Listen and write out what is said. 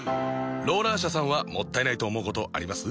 ローラー車さんはもったいないと思うことあります？